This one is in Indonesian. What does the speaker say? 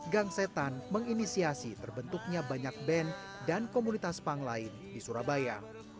gang setan menginisiasi terbentuknya banyak band dan komunitas punk lain di surabaya